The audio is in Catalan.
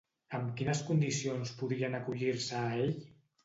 Amb quines condicions podrien acollir-se a ell?